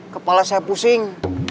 kepala saya pusing